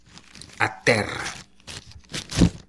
A terra.